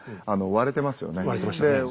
割れてましたね。